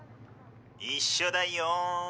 一緒だよん。